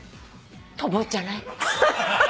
飛ぶんじゃない？